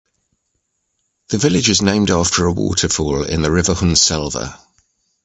The village is named after a waterfall in the river Hunnselva.